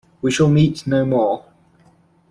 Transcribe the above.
We shall meet no more.